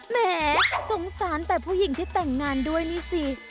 แหมสงสารแต่ผู้หญิงที่แต่งงานด้วยนี่สิ